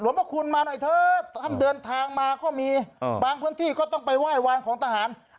พระคุณมาหน่อยเถอะท่านเดินทางมาก็มีบางพื้นที่ก็ต้องไปไหว้วานของทหาร